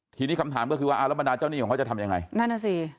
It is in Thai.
ทีนี้คำถามก็คือว่าอารมณาเจ้านี่ของเขาจะทำยังไง